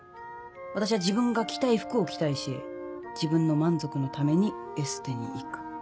私は自分が着たい服を着たいし自分の満足のためにエステに行く。